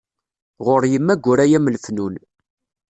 Ɣur yemma Guraya m lefnun.